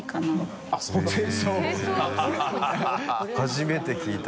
初めて聞いた。